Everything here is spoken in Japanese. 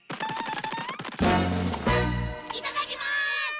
いただきます！